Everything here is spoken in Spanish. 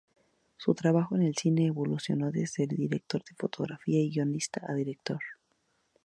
Su trabajo en el cine evolucionó desde director de fotografía y guionista a director.